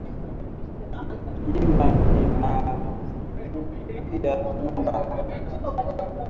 Kilima kinaangukiya nyumba